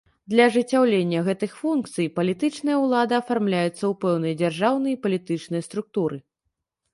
Для ажыццяўлення гэтых функцый палітычная ўлада афармляецца ў пэўныя дзяржаўныя і палітычныя структуры.